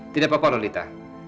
tidak apa apa lolita